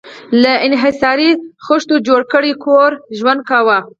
له انحصاري خښتو جوړ کور کې ژوند کاوه.